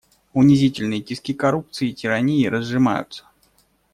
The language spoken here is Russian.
Унизительные тиски коррупции и тирании разжимаются.